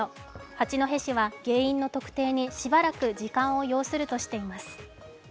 八戸市は原因の特定にしばらく時間を要するとしています。